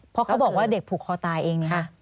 เพราะเขาบอกว่าเด็กผูกคอตายเอง